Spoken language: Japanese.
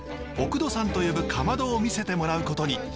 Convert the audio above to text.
おくどさんと呼ぶかまどを見せてもらうことに。